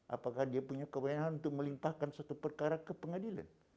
apakah dia punya kewenangan untuk melimpahkan suatu perkara ke pengadilan